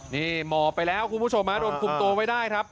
นี่หมอไปแล้วคุณผู้ชมโดนคุมตัวไว้ได้ครับ